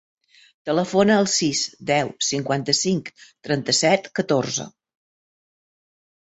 Telefona al sis, deu, cinquanta-cinc, trenta-set, catorze.